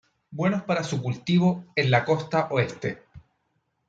Buenos para su cultivo en la costa oeste.